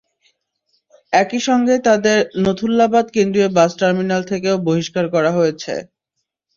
একই সঙ্গে তাঁদের নথুল্লাবাদ কেন্দ্রীয় বাস টার্মিনাল থেকেও বহিষ্কার করা হয়েছে।